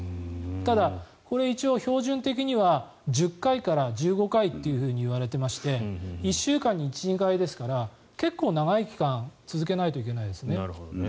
ただ、これ一応、標準的には１０回から１５回といわれていまして１週間に１２回ですから結構、長い期間続けないといけないですね。